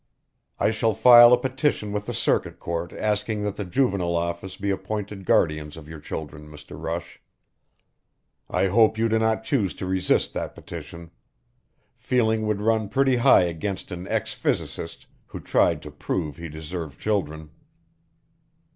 "I shall file a petition with the circuit court asking that the Juvenile Office be appointed guardians of your children, Mr. Rush. I hope you do not choose to resist that petition feeling would run pretty high against an ex physicist who tried to prove he deserved children."